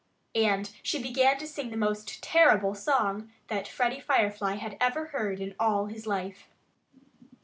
And she began to sing the most terrible song that Freddie Firefly had ever heard in all his life.